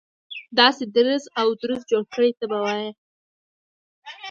داسې درز او دروز جوړ کړي ته به وایي.